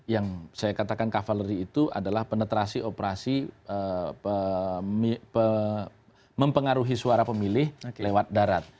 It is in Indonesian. yang saya katakan kavaleri itu adalah penetrasi operasi mempengaruhi suara pemilih lewat darat